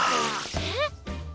えっ！